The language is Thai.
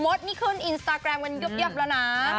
ดนี่ขึ้นอินสตาแกรมกันยับแล้วนะ